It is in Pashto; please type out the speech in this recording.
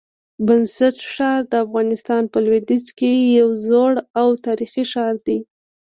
بست ښار د افغانستان په لودیځ کي یو زوړ او تاریخي ښار دی.